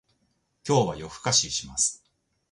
今日は夜更かしします